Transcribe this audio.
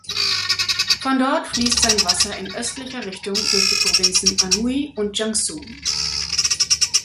Von dort fließt sein Wasser in östlicher Richtung durch die Provinzen Anhui und Jiangsu.